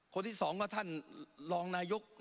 คนที่๒ก็ท่านรองนายก